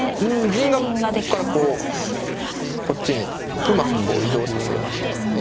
銀がここからこうこっちにうまく移動させられましたからね。